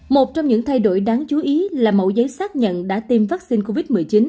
một trong những thay đổi đáng chú ý là mẫu giấy xác nhận đã tiêm vaccine covid một mươi chín